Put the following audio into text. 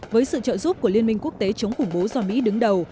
với sự trợ giúp của liên minh quốc tế chống khủng bố do mỹ đứng đầu